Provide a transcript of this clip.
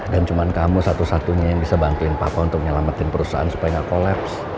dan cuma kamu satu satunya yang bisa bantuin papa untuk nyelamatin perusahaan supaya gak collapse